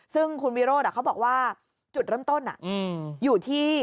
ซึ่งคุณวิโรธเขาบอกว่าจุดเริ่มต้นอยู่ที่